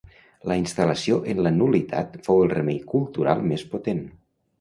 La instal·lació en la nul·litat fou el remei cultural més potent.